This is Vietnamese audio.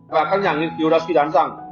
và các nhà nghiên cứu đã suy đoán rằng